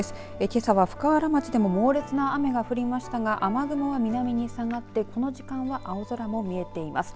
けさは深浦町でも猛烈な雨が降りましたが雨雲は南に下がってこの時間は青空も見えています。